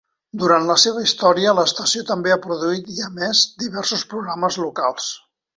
Durant la seva història, l'estació també ha produït i emès diversos programes locals.